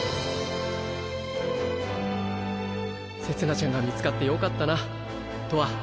せつなちゃんが見つかってよかったなとわ。